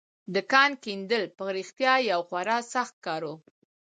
د کان کیندل په رښتيا يو خورا سخت کار و.